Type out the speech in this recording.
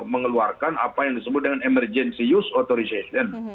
mengeluarkan apa yang disebut dengan emergency use authorization